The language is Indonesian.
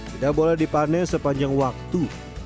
tidak boleh dipanen sepanjang waktu